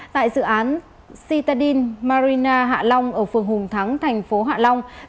tại dự án sitadin marina hạ long ở phường hùng thắng thành phố hạ long